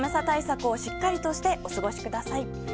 対策をしっかりとしてお過ごしください。